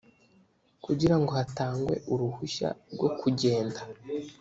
kugira ngo hatangwe uruhushya rwo kugenda